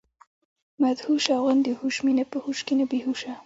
مدهوشه غوندي هوش مي نۀ پۀ هوش کښې نۀ بي هوشه